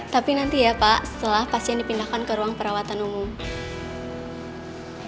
tapi nanti ya pak setelah pasien dipindahkan ke ruang perawatan umum